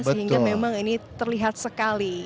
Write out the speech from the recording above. sehingga memang ini terlihat sekali